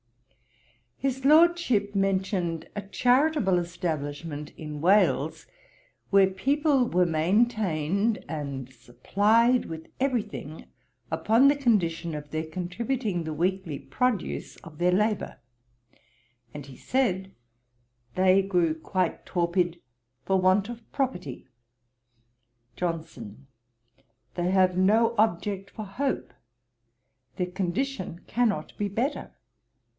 His Lordship mentioned a charitable establishment in Wales, where people were maintained, and supplied with every thing, upon the condition of their contributing the weekly produce of their labour; and he said, they grew quite torpid for want of property. JOHNSON. 'They have no object for hope. Their condition cannot be better.